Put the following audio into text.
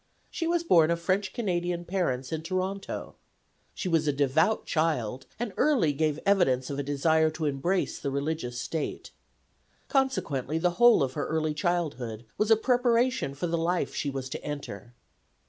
She was born of French Canadian parents in Toronto. She was a devout child, and early gave evidence of a desire to embrace the religious state. Consequently the whole of her early childhood was a preparation for the life she was to enter.